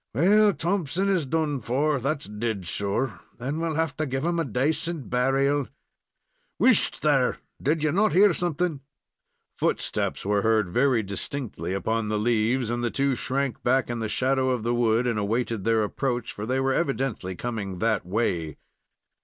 "Well, Thompson is done for, that's dead sure, and we'll have to give him a dacent burial. Whisht, there! did ye not hear somethin'?" Footsteps were heard very distinctly upon the leaves, and the two shrank back in the shadow of the wood and awaited their approach, for they were evidently coming that way.